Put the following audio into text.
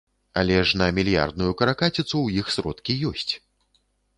Але ж на мільярдную каракаціцу ў іх сродкі ёсць.